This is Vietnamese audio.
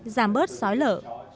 giảm bớt sói lở